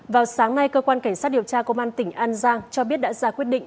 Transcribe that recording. vào sáng nay cơ quan cảnh sát điều tra công an tỉnh an giang cho biết đã ra quyết định